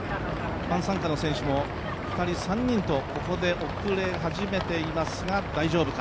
一般参加の選手も２人、３人とここで遅れ始めていますが、大丈夫か？